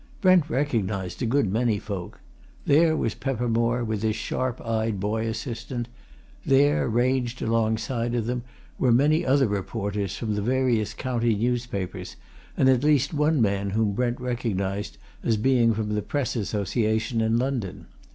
Brent recognized a good many folk. There was Peppermore, with his sharp eyed boy assistant; there, ranged alongside of them, were many other reporters, from the various county newspapers, and at least one man whom Brent recognized as being from the Press Association in London.